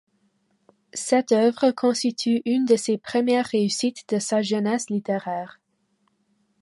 Cette œuvre constitue une de ses premières réussites de sa jeunesse littéraire.